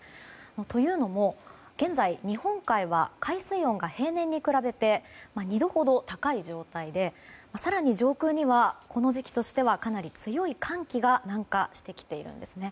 というのも、現在日本海は海水温が平年に比べて２度ほど高い状態で更に上空にはこの時期としてはかなり強い寒気が南下してきているんですね。